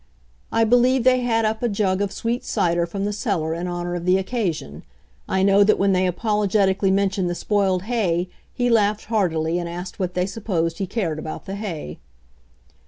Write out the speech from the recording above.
I believe they had up a jug of sweet cider from the cellar in honor of the occasion. I know that when they apologetically mentioned the spoiled hay he laughed heartily and asked what they sup posed he cared about the hay.